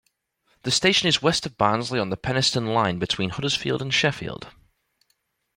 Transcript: The station is west of Barnsley on the Penistone Line between Huddersfield and Sheffield.